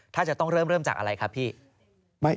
ถ้าจะต้องเริ่มจากอะไรครับพี่